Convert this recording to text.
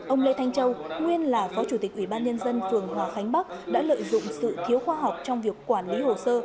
ông lê thanh châu nguyên là phó chủ tịch ủy ban nhân dân phường hòa khánh bắc đã lợi dụng sự thiếu khoa học trong việc quản lý hồ sơ